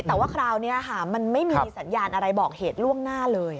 แต่ว่าคราวนี้ค่ะมันไม่มีสัญญาณอะไรบอกเหตุล่วงหน้าเลย